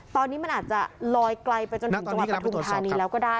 ตอนนี้มันอาจจะลอยไกลไปจนถึงจังหวัดปฐุมธานีแล้วก็ได้